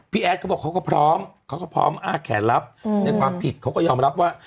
แอดเขาบอกเขาก็พร้อมเขาก็พร้อมอ้าแขนรับในความผิดเขาก็ยอมรับว่า